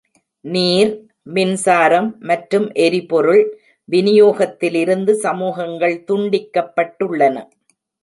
நீர், மின்சாரம் மற்றும் எரிபொருள் விநியோகத்திலிருந்து சமூகங்கள் துண்டிக்கப்பட்டுள்ளன.